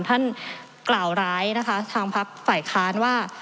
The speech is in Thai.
ท่านกล่าวร้ายนะคะทางพักฝ่ายค้านว่า